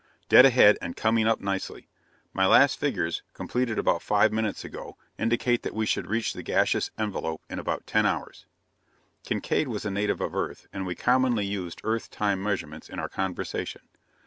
"Dead ahead, and coming up nicely. My last figures, completed about five minutes ago, indicate that we should reach the gaseous envelope in about ten hours." Kincaide was a native of Earth, and we commonly used Earth time measurements in our conversation.